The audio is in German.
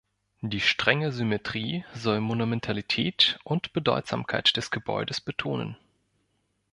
Die strenge Symmetrie soll Monumentalität und Bedeutsamkeit des Gebäudes betonen.